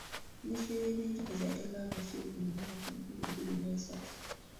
Minisitule y’ebyenjigiriza yateekawo akakiiko mu mwaka nkumi bbiri mu esatu.